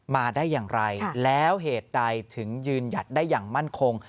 มาได้อย่างไรแล้วเหตุใดถึงยืนหยัดได้อย่างมั่นคง